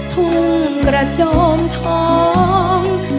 ทุ่งกระโจมทอง